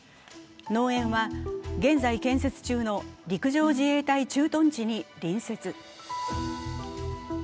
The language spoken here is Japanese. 農園は現在建設中の陸上自衛隊駐屯地に隣接。